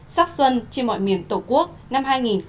sắc xuân trên mọi miền tổ quốc năm hai nghìn một mươi bảy